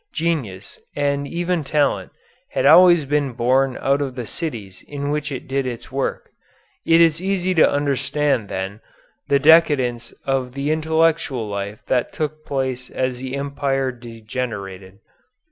Genius, and even talent, has always been born out of the cities in which it did its work. It is easy to understand, then, the decadence of the intellectual life that took place as the Empire degenerated.